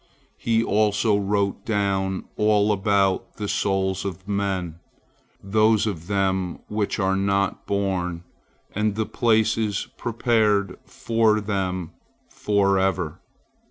He also wrote down all about the souls of men, those of them which are not born, and the places prepared for them forever.